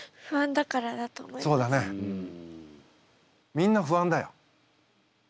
みんな不安だよ。